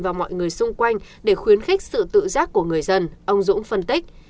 và mọi người xung quanh để khuyến khích sự tự giác của người dân ông dũng phân tích